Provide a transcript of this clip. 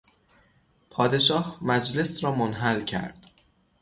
پادشاه مجلس را منحل کرد.